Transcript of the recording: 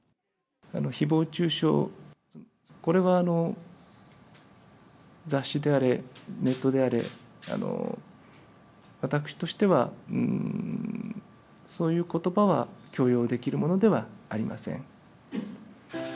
ひぼう中傷、これは雑誌であれネットであれ、私としては、そういうことばは許容できるものではありません。